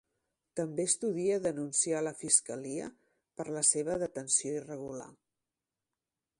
També estudia denunciar la Fiscalia per la seva detenció irregular.